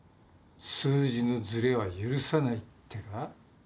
数字のずれは許さないってか？